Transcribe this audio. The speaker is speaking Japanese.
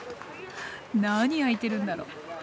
何焼いてるんだろ？